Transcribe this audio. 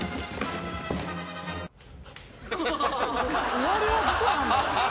「終わりはどこなんだ？」